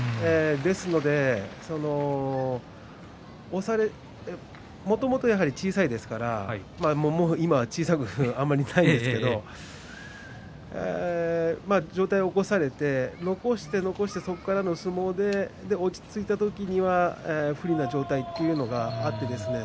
ですのでもともと、やはり小さいですからまあ、今はあまり小さくないですけど上体を起こされて残して残して、そこからの相撲で落ち着いた時には不利な状態というのがあってですね